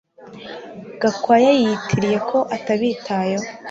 Gakwaya yiyitiriye ko atabitayeho